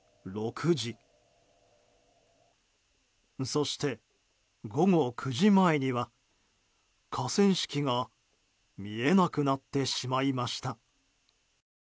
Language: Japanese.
そして午後９時前には、河川敷が見えなくなってしまいました。